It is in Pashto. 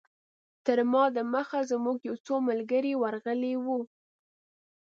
تر ما دمخه زموږ یو څو ملګري ورغلي وو.